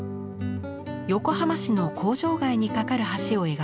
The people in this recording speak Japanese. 横浜市の工場街に架かる橋を描きました。